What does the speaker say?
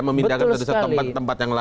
memindahkan dari tempat ke tempat yang lain